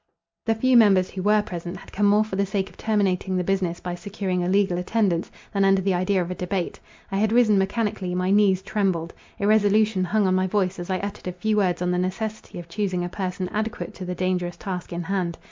The few members who were present, had come more for the sake of terminating the business by securing a legal attendance, than under the idea of a debate. I had risen mechanically—my knees trembled; irresolution hung on my voice, as I uttered a few words on the necessity of choosing a person adequate to the dangerous task in hand.